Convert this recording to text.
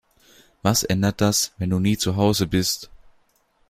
Was ändert das, wenn du nie zu Hause bist?